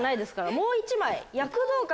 もう一枚。